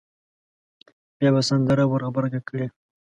بیا به سندره ور غبرګه کړي.